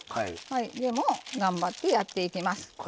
でも、頑張ってやっていきます。